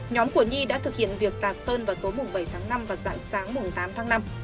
nhóm của nhi đã thực hiện việc tạt sơn vào tối bảy tháng năm và dạng sáng tám tháng năm